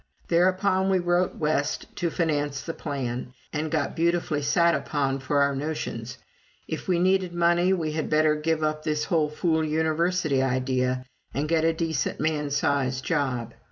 Thereupon we wrote West to finance the plan, and got beautifully sat upon for our "notions." If we needed money, we had better give up this whole fool University idea and get a decent man sized job.